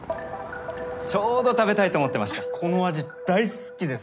ちょうど食べたいと思ってまこの味大好きです